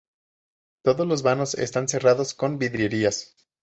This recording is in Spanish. Todos los vanos están cerrados con vidrieras.